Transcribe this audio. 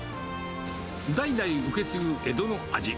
代々受け継ぐ江戸の味。